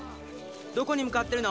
どこに向かってるの？